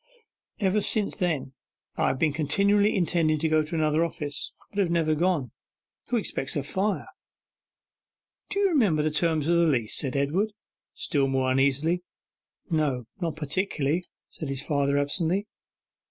Ever since then I have been continually intending to go to another office, but have never gone. Who expects a fire?' 'Do you remember the terms of the leases?' said Edward, still more uneasily. 'No, not particularly,' said his father absently.